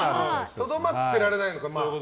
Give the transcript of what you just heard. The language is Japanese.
とどまってられないのか。